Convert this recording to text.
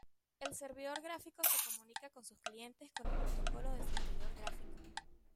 El servidor gráfico se comunica con sus clientes con el protocolo de servidor gráfico.